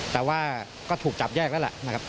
แต่ว่าก็ถูกจับแยกแล้วแหละนะครับ